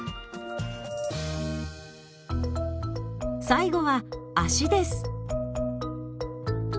最後は足です。